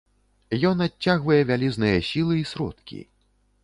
Ён адцягвае вялізныя сілы і сродкі.